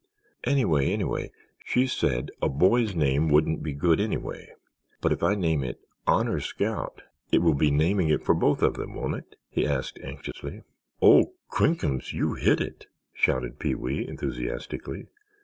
Anyway—anyway—she said a boy's name wouldn't be good, anyway. But if I name it Honor Scout, it will be naming it for both of them—won't it?" he asked anxiously. "Oh, crinkums, you hit it!" shouted Pee wee, enthusiastically.